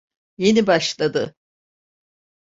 Yeni başladı.